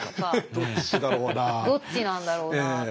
どっちなんだろうな。